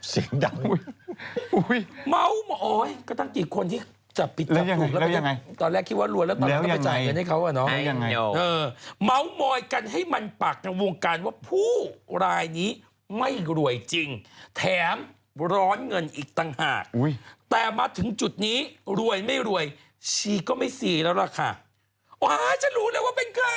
เสียงดังอุ้ยอุ้ยเม้ามอยก็ตั้งกี่คนที่จับปิดจับหลุดแล้วยังไงตอนแรกคิดว่ารวยแล้วตอนนี้ต้องไปจ่ายกันให้เขาอ่ะเนาะแล้วยังไงเออเม้ามอยกันให้มันปากในวงการว่าผู้รายนี้ไม่รวยจริงแถมร้อนเงินอีกต่างหากอุ้ยแต่มาถึงจุดนี้รวยไม่รวยชีก็ไม่สีแล้วล่ะค่ะว้าวฉันรู้แล้วว่าเป็นใ